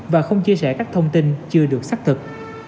và không chia sẻ các thông tin chưa được xác thực